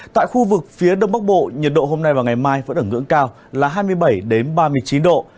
tại khu vực phía đông bắc bộ nhiệt độ hôm nay và ngày mai vẫn ở ngưỡng cao là hai mươi bảy ba mươi chín độ